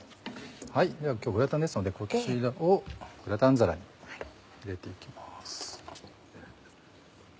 では今日グラタンですのでこちらをグラタン皿に入れていきます。